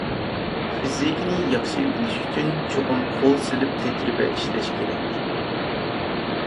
فىزىكىنى ياخشى ئۆگىنىش ئۈچۈن، چوقۇم قول سېلىپ تەجرىبە ئىشلەش كېرەك.